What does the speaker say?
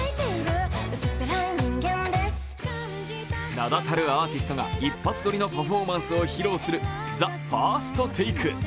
名だたるアーティストが一発撮りのパフォーマンスを披露するＴＨＥＦＩＲＳＴＴＡＫＥ。